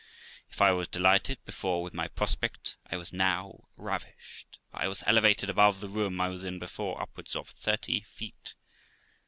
If I was delighted before with my prospect, I was now ravished, for I was elevated above the room I was in before up wards of thirty feet.